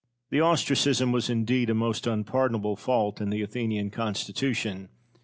Cosmo. The ostracism was indeed a most unpardonable fault in the Athenian constitution.